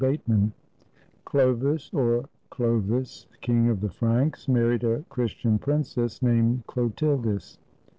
BATEMAN [Chlovis (or Clovis), King of the Franks, married a Chris tian princess named Chlotildis.